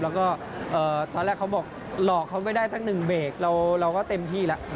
แล้วก็ตอนแรกเขาบอกหลอกเขาไม่ได้ตั้งหนึ่งเบรกเราก็เต็มที่แล้ว